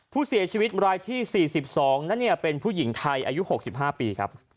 ผู้เสียชีวิตรายที่๔๒นั้นเป็นผู้หญิงไทยอายุ๖๕ปีครับ